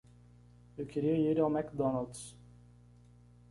Eu queria ir ao McDonald's.